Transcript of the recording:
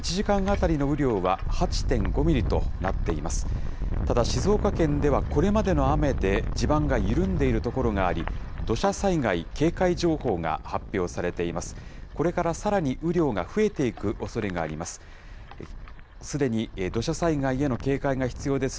ただ、静岡県ではこれまでの雨で、地盤が緩んでいる所があり、土砂災害警戒情報が発表されています。